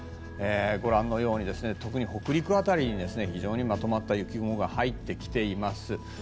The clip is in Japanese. ご覧のように、北陸辺りに非常にまとまった雪雲が入ってきています。